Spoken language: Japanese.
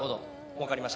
わかりました。